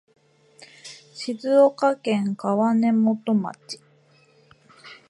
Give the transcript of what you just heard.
静岡県川根本町